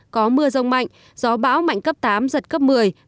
có mưa rông mạnh gió bão mạnh cấp tám giật cấp một mươi